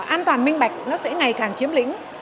an toàn minh bạch sẽ ngày càng chiếm lĩnh